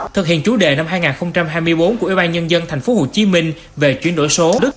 thực hiện chủ đề năm hai nghìn hai mươi bốn của ủy ban nhân dân tp hcm về chuyển đổi số